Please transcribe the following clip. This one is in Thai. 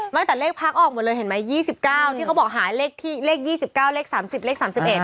ไม่แต่เลขพักออกหมดเลยเห็นไหม๒๙ที่เขาบอกหาเลข๒๙เลข๓๐เลข๓๑